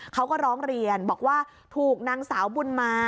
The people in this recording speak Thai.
เขาก็ร้องเรียนบอกว่าถูกนางสาวบุญมา